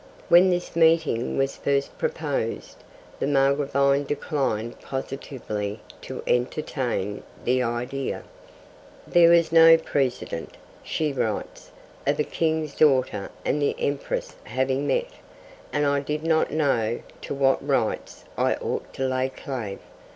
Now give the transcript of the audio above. When this meeting was first proposed, the Margravine declined positively to entertain the idea. 'There was no precedent,' she writes, 'of a King's daughter and the Empress having met, and I did not know to what rights I ought to lay claim.'